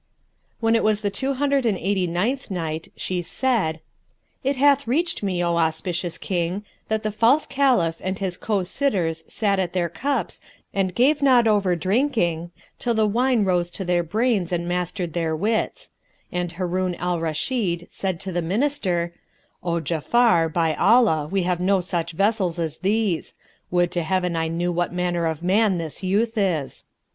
When it was the Two Hundred and Eighty ninth Night, She said, It hath reached me, O auspicious King, that the false Caliph and his co sitters sat at their cups and gave not over drinking till the wine rose to their brains and mastered their wits; and Harun al Rashid said to the Minister, "O Ja'afar, by Allah, we have no such vessels as these. Would to Heaven I knew what manner of man this youth is!"